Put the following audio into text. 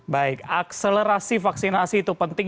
baik akselerasi vaksinasi itu penting